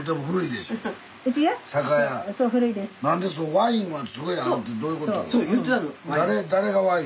ワインはすごいあるってどういうこと？